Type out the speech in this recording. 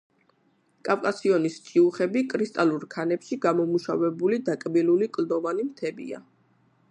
კავკასიონის ჭიუხები კრისტალურ ქანებში გამომუშავებული დაკბილული კლდოვანი მთებია.